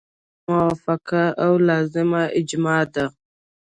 هغه د ولس موافقه او لازمه اجماع ده.